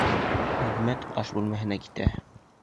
Ниғәмәт аш бүлмәһенә китә.